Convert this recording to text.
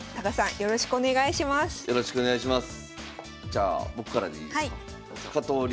よろしくお願いします。